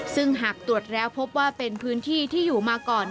ซึ่งหากตรวจแล้วพบว่าเป็นพื้นที่ที่อยู่มาก่อน